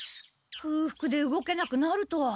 くうふくで動けなくなるとは。